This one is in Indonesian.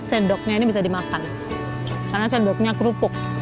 sendoknya ini bisa dimakan karena sendoknya kerupuk